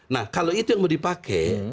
nah kalau itu yang mau dipakai